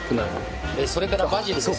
それからバジルです。